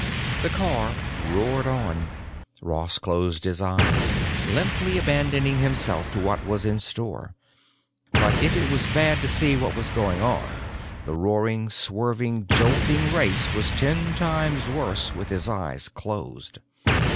The car roared on. Ross closed his eyes, limply abandoning himself to what was in store. But if it was bad to see what was going on, the roaring, swerving, jolting race was ten times worse with his eyes closed.